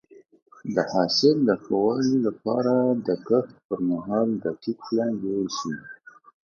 د حاصل د ښه والي لپاره د کښت پر مهال دقیق پلان جوړ شي.